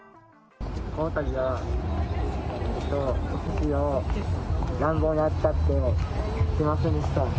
このたびはおすしを乱暴に扱ってすみませんでした。